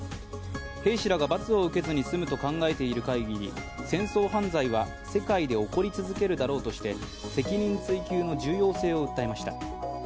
兵士らが罰を受けずにすむと考えている限り戦争犯罪は世界で起こり続けるであろうとして責任追及の重要性を訴えました。